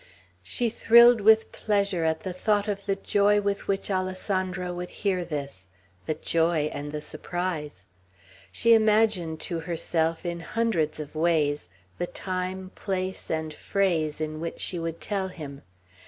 She thrilled with pleasure at the thought of the joy with which Alessandro would hear this, the joy and the surprise. She imagined to herself, in hundreds of ways, the time, place, and phrase in which she would tell him.